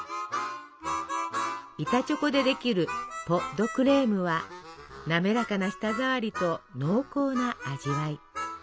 板チョコでできるポ・ド・クレームは滑らかな舌ざわりと濃厚な味わい。